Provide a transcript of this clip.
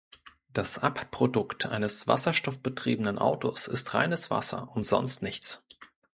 Das Abprodukt eines wasserstoffbetriebenen Autos ist reines Wasser und sonst nichts.